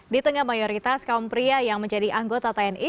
di tengah mayoritas kaum pria yang menjadi anggota tni